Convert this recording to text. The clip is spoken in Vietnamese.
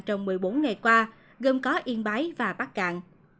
trong một mươi bốn ngày qua gồm có yên bái và bắc cạn